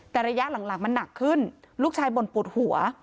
แต่ระยะหลังมันหนักขึ้นลูกชายบ่นปวดหัว